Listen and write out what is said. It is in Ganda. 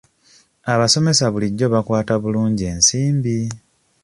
Abasomesa bulijjo bakwata bulungi ensimbi.